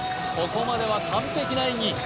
ここまでは完璧な演技